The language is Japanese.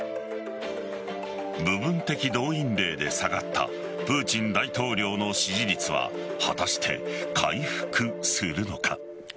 部分的動員令で下がったプーチン大統領の支持率は果たして回復するのか。